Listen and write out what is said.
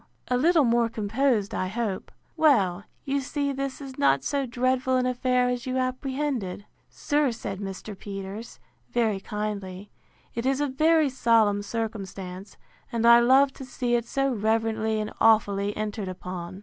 A little more composed, I hope. Well, you see this is not so dreadful an affair as you apprehended. Sir, said Mr. Peters, very kindly, it is a very solemn circumstance; and I love to see it so reverently and awfully entered upon.